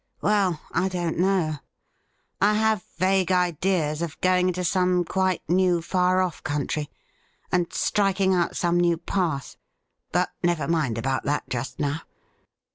' Well, I don't know. I have vague ideas of going into some quite new fai' off country and striking out some new path — ^but never mind about that just now.